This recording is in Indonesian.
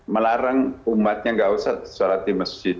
melarang umatnya tidak usah salat di masjid